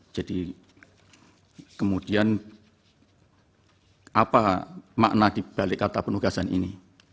jadi kemudian apa makna dibalik kata penugasan ini